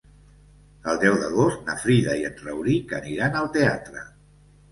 El deu d'agost na Frida i en Rauric aniran al teatre.